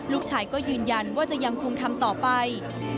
ลูกชายก็ยืนยันว่าจะยังคงทำต่อไป